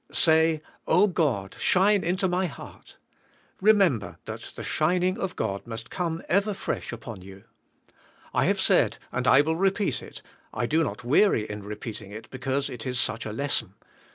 Say, Oh ! God, shine into my heart. Remember, that the shining" of God must come ever fresh upon you. I have said, and I will repeat it, I do not weary in repeating" it because it is such a lesson.